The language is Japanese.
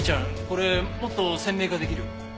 これもっと鮮明化できる？